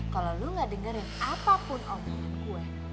kalau lu gak dengerin apapun omongan gue